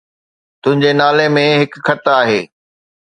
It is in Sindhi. تنهنجي نالي ۾ هڪ خط آهي